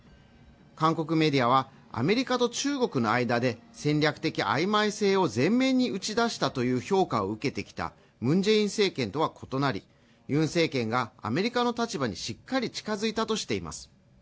韓国メディアは、アメリカと中国の間で、戦略的曖昧性を前面に打ち出したという評価を受けてきたムン・ジェイン政権とは異なりユン政権がアメリカの立場にしっかり近づいたとしています。